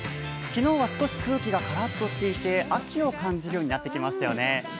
昨日は少し空気がカラッとしていた秋を感じるようになってきましたよね。